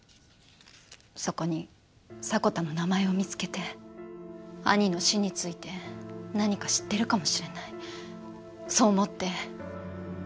そこに迫田の名前を見つけて兄の死について何か知ってるかもしれないそう思って。